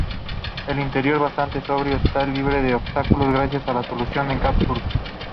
El interior, bastante sobrio, está libre de obstáculos gracias a la solución en cúpula.